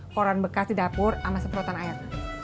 koran bekas di dapur sama semprotan air